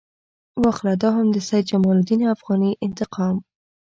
واخله دا هم د سید جمال الدین افغاني انتقام.